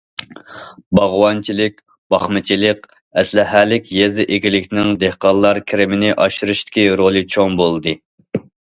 باغۋەنچىلىك، باقمىچىلىق، ئەسلىھەلىك يېزا ئىگىلىكىنىڭ دېھقانلار كىرىمىنى ئاشۇرۇشتىكى رولى چوڭ بولدى.